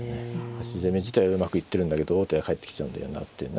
端攻め自体はうまくいってるんだけど王手が返ってきちゃうんだよなっていうね。